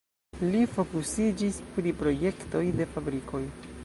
Li fokusiĝis pri projektoj de fabrikoj.